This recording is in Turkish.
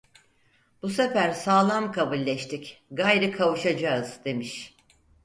Bu sefer sağlam kavilleştik, gayrı kavuşacağız! demiş.